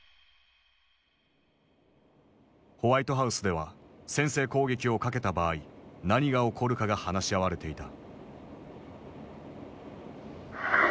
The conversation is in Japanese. ホワイトハウスでは先制攻撃をかけた場合何が起こるかが話し合われていた。